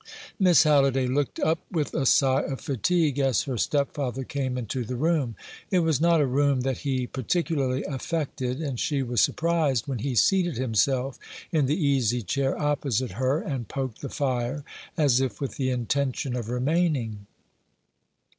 Miss Halliday looked up with a sigh of fatigue as her stepfather came into the room. It was not a room that he particularly affected, and she was surprised when he seated himself in the easy chair opposite her, and poked the fire, as if with the intention of remaining.